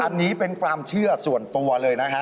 อันนี้เป็นความเชื่อส่วนตัวเลยนะฮะ